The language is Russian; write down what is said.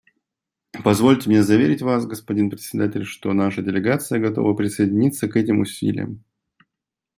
Позвольте мне заверить Вас, господин Председатель, что наша делегация готова присоединиться к этим усилиям.